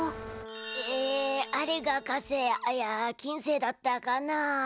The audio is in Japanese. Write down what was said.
ええあれが火星いや金星だったかな？